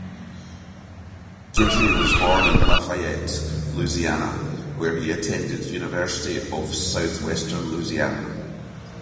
Guidry was born in Lafayette, Louisiana where he attended University of Southwestern Louisiana.